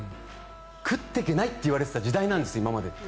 食っていけないって言われていた時代なんです、今まで。